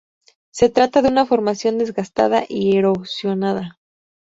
Se trata de una formación desgastada y erosionada.